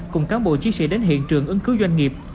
cùng cán bộ chiến sĩ đến hiện trường ứng cứu doanh nghiệp